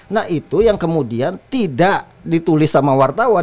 nah itu yang kemudian tidak ditulis sama wartawan